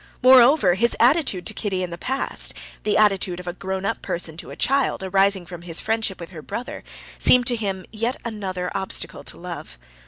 Moreover, his attitude to Kitty in the past—the attitude of a grown up person to a child, arising from his friendship with her brother—seemed to him yet another obstacle to love.